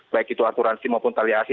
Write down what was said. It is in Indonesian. baik itu asuransi maupun taliasi